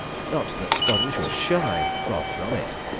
Not that Sponge was shy. Far from it.